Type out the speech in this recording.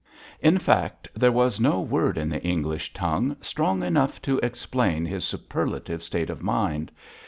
in fact, there was no word in the English tongue strong enough to explain his superlative state of mind.